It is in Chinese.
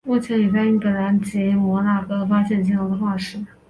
目前已在英格兰及摩纳哥发现鲸龙的化石。